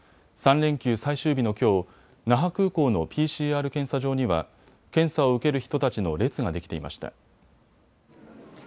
３連休最終日のきょう、那覇空港のＰＣＲ検査場には検査を受ける人たちの列ができていました。